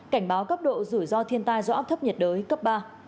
cảnh báo cấp độ rủi ro thiên tai do áp thấp nhiệt đới cấp ba